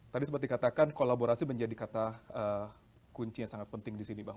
tadi seperti dikatakan kolaborasi menjadi kata kunci yang sangat penting disini bang